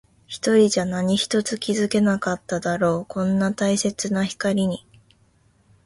一人じゃ何一つ気づけなかっただろう。こんなに大切な光に。